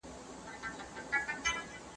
تجارت له اروپا سره بند شوی دی.